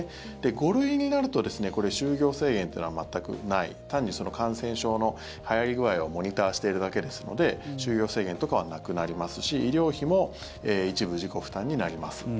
５類になると就業制限というのは全くない単に感染症のはやり具合をモニターしているだけですので就業制限とかはなくなりますし医療費も一部自己負担になります。